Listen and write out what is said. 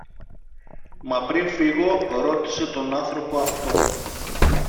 Μα πριν φύγω, ρώτησε τον άνθρωπο αυτό